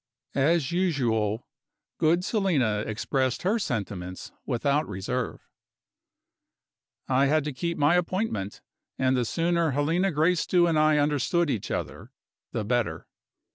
As usual, good Selina expressed her sentiments without reserve. I had to keep my appointment; and the sooner Helena Gracedieu and I understood each other the better.